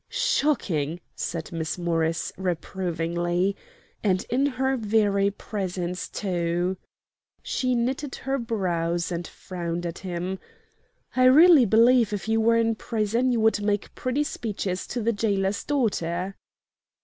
"Shocking!" said Miss Morris, reprovingly; "and in her very presence, too." She knitted her brows and frowned at him. "I really believe if you were in prison you would make pretty speeches to the jailer's daughter."